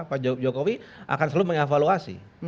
pak jokowi akan selalu mengevaluasi